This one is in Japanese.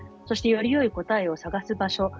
そしてよりよい答えを探す場所。